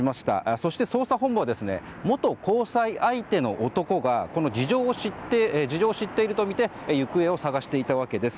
そして、捜査本部は元交際相手の男が事情を知っているとみて行方を捜していたわけです。